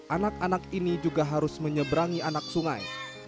anak anak ini juga harus menyeberangi anak sungai